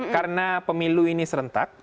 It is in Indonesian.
karena pemilu ini serentak